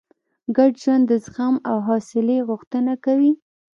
ګډ ژوند د زغم او حوصلې غوښتنه کوي.